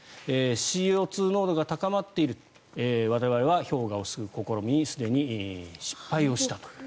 ＣＯ２濃度が高まっている我々は氷河を救う試みにすでに失敗したと。